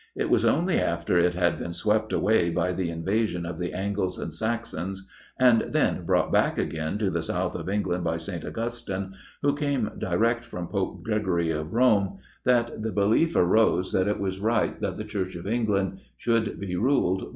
It was only after it had been swept away by the invasion of the Angles and Saxons, and then brought back again to the South of England by St. Augustine, who came direct from Pope Gregory of Rome, that the belief arose that it was right that the Church of England should be ruled by the Pope.